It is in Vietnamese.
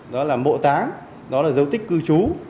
đó là mộ táng đó là dấu tích cư trú